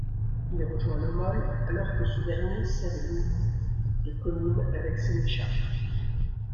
Il rejoint l'Homol alors que ce dernier sert de limite de communes avec Sénéchas.